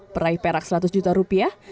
peraih perak seratus juta rupiah